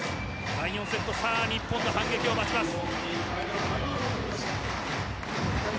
第４セット日本の反撃を待ちます。